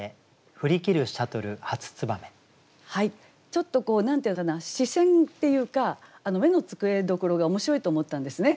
ちょっとこう何て言うかな視線っていうか目の付けどころが面白いと思ったんですね。